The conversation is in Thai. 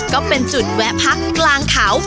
ก็เป็นจุดแวะพักกลางเขา